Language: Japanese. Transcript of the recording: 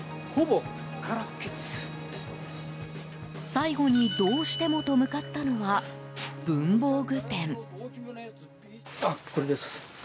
最後にどうしてもと向かったのは、文房具店。